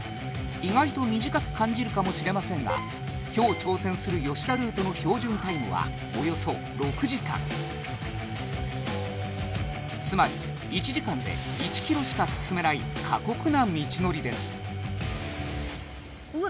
意外と短く感じるかもしれませんが今日挑戦する吉田ルートの標準タイムはおよそ６時間つまり１時間で１キロしか進めない過酷な道のりですうわ